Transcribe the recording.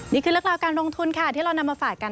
นี่คือเรื่องราวการลงทุนค่ะที่เรานำมาฝากกัน